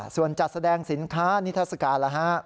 ส่วนจัดแสดงสินค้านิทธาษฎาลหรือฮะ